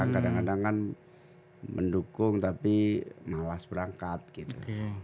kadang kadang kan mendukung tapi malas berangkat gitu